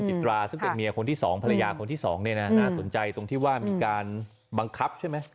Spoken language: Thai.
จิตราซึ่งเป็นเมียคนที่๒ภรรยาคนที่สองเนี่ยนะน่าสนใจตรงที่ว่ามีการบังคับใช่ไหม